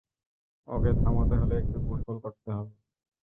ওকে থামাতে হলে একটু কৌশল করতে হবে।